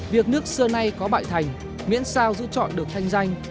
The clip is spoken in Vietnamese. việc nước xưa nay có bại thành miễn sao giữ chọn được thanh danh